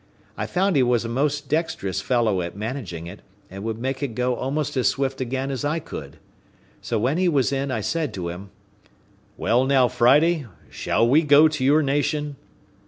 I found he was a most dexterous fellow at managing it, and would make it go almost as swift again as I could. So when he was in, I said to him, "Well, now, Friday, shall we go to your nation?"